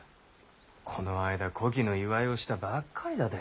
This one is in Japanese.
この間古稀の祝いをしたばっかりだで。